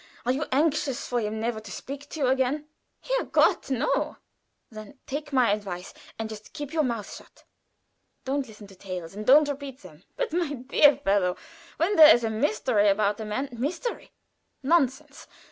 Are you anxious for him never to speak to you again?" "Herrgott, no!" "Then take my advice, and just keep your mouth shut. Don't listen to tales, and don't repeat them." "But, my dear fellow, when there is a mystery about a man " "Mystery! Nonsense!